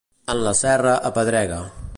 En la serra, apedrega.